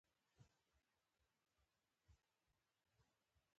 هېڅکله په داسې شرايطو کې مې نه بوه.